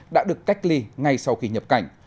đã được cách ly ngay sau khi nhập cảnh